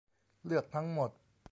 เลือกทั้งหมด